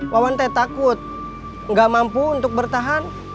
wawan teh takut nggak mampu untuk bertahan